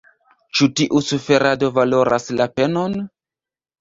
Ĉu tiu suferado valoras la penon?